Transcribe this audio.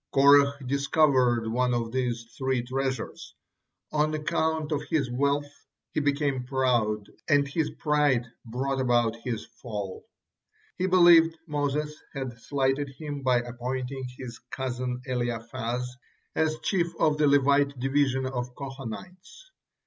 Korah discovered one of these three treasuries. On account of his wealth he became proud, and his pride brought about his fall. He believed Moses had slighted him by appointing his cousin Elizaphan as chief of the Levite division of Kohathites.